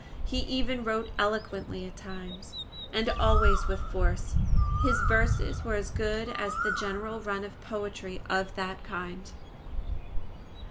He even wrote eloquently at times, and always with force. His verses were as good as the general run of poetry of that kind.